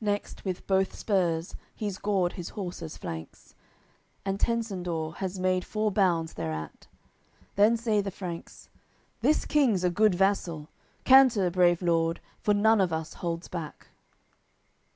Next with both spurs he's gored his horse's flanks, And Tencendor has made four bounds thereat. Then say the Franks: "This King's a good vassal. Canter, brave lord, for none of us holds back."